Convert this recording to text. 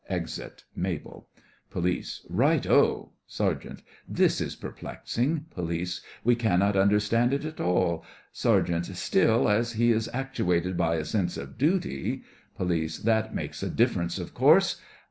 (Exit MABEL) POLICE: Right oh! SERGEANT: This is perplexing. POLICE: We cannot understand it at all. SERGEANT: Still, as he is actuated by a sense of duty— POLICE: That makes a difference, of course.